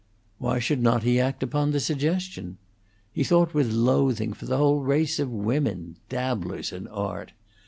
Why should not he act upon the suggestion? He thought with loathing for the whole race of women dabblers in art.